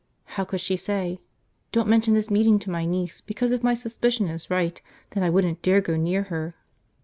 How could she say, don't mention this meeting to my niece because if my suspicion is right then I wouldn't dare go near her.